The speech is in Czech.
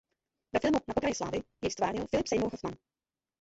Ve filmu "Na pokraji slávy" jej ztvárnil Philip Seymour Hoffman.